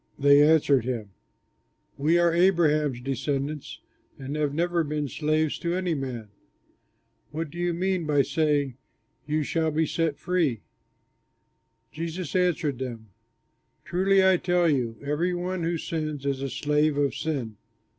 They answered him, "We are Abraham's descendants and have never been slaves to any man. What do you mean by saying, 'You shall be set free'?" Jesus answered them, "Truly, I tell you, every one who sins is a slave of sin.